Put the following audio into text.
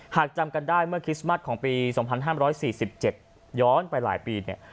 หากจำกันได้เมื่อคริสต์มัสของปี๒๕๔๗ย้อนไปหลายปีเนี่ย